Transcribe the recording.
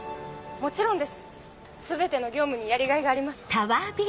もちろんです全ての業務にやりがいがあります。